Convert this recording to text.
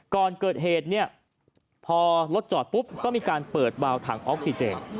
ก่อนเกิดเหตุเนี่ยพอรถจอดปุ๊บก็มีการเปิดวาวถังออกซิเจน